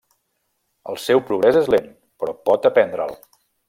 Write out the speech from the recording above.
El seu progrés és lent, però pot aprendre'l.